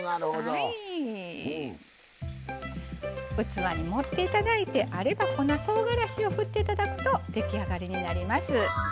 器に盛っていただいてあれば粉とうがらしをふっていただくと出来上がりになります。